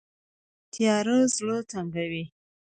تیاره زړه تنګوي